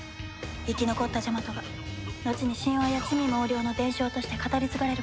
生き残ったジャマトがのちに神話や魑魅魍魎の伝承として語り継がれることも。